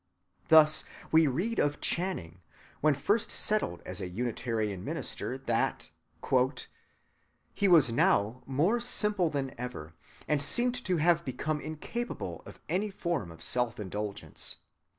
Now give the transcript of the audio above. Thus we read of Channing, when first settled as a Unitarian minister, that— "He was now more simple than ever, and seemed to have become incapable of any form of self‐indulgence.